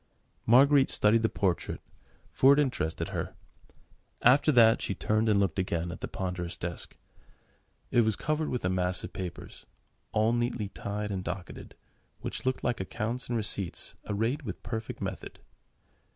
Marguerite studied the portrait, for it interested her: after that she turned and looked again at the ponderous desk. It was covered with a mass of papers, all neatly tied and docketed, which looked like accounts and receipts arrayed with perfect method.